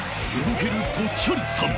動けるぽっちゃりさん